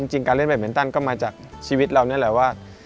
การเล่นแบบมินตันก็มาจากชีวิตเรานี่แหละว่า